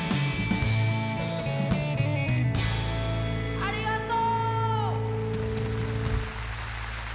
ありがとう！